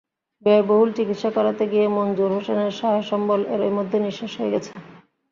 ব্যয়বহুল চিকিৎসা করাতে গিয়ে মনজুর হোসেনের সহায়-সম্বল এরই মধ্যে নিঃশেষ হয়ে গেছে।